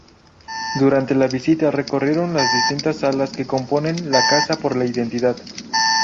Durante la visita recorrieron las distintas salas que componen "La Casa por la Identidad".